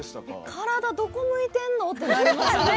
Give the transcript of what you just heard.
体、どこ向いてんの？って思いました。